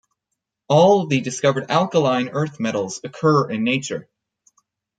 All the discovered alkaline earth metals occur in nature.